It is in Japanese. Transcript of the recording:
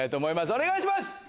お願いします！